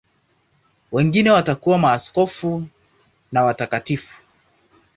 Wengine wakawa maaskofu na watakatifu.